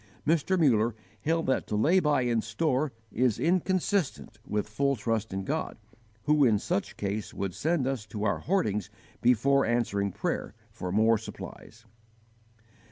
Mr. Muller held that to lay by in store is inconsistent with full trust in God, who in such case would send us to our hoardings before answering prayer for more supplies.